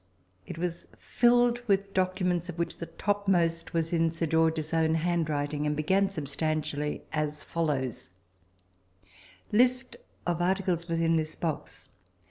It was filled with documents, of which the topmost was in Sir George's own handwriting, and began substantially as follows: "List of articles within this box.